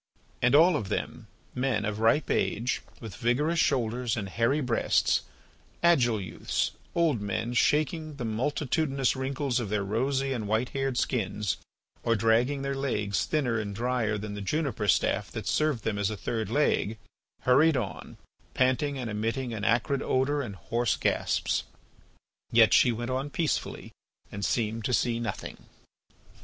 And all of them, men of ripe age with vigorous shoulders and hairy breasts, agile youths, old men shaking the multitudinous wrinkles of their rosy, and white haired skins, or dragging their legs thinner and drier than the juniper staff that served them as a third leg, hurried on, panting and emitting an acrid odour and hoarse gasps. Yet she went on peacefully and seemed to see nothing.